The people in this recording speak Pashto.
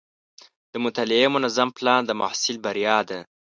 د مطالعې منظم پلان د محصل بریا ده.